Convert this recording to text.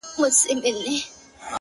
موږه يې ښه وايو پر موږه خو ډير گران دی ـ